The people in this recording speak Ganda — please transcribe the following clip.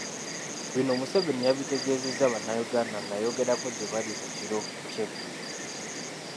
Bino Museveni yabitegeezezza bannayuganda ng'ayogerako gye bali mu kiro ky'eggulo.